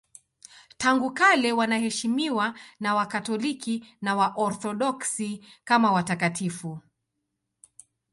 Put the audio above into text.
Tangu kale wanaheshimiwa na Wakatoliki na Waorthodoksi kama watakatifu.